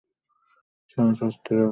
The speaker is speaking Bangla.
শাহ শাস্ত্রীয় গানে প্রশিক্ষণপ্রাপ্ত।